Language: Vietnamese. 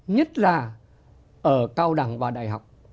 nhất là ở cao đẳng và đại học